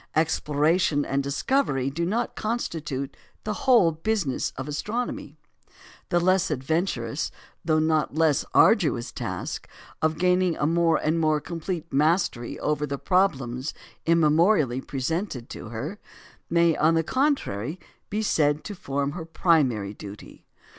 Exploration and discovery do not constitute the whole business of astronomy; the less adventurous, though not less arduous, task of gaining a more and more complete mastery over the problems immemorially presented to her, may, on the contrary, be said to form her primary duty.